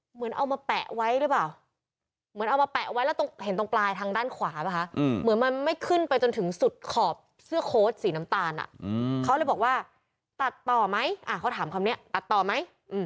เหมือนเอามาแปะไว้หรือเปล่าเหมือนเอามาแปะไว้แล้วตรงเห็นตรงปลายทางด้านขวาป่ะคะเหมือนมันไม่ขึ้นไปจนถึงสุดขอบเสื้อโค้ดสีน้ำตาลเขาเลยบอกว่าตัดต่อไหมเขาถามคำนี้ตัดต่อไหม